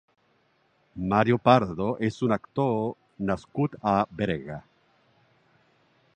Mario Pardo és un actor nascut a Berga.